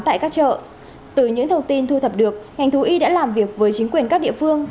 tại các chợ từ những thông tin thu thập được ngành thú y đã làm việc với chính quyền các địa phương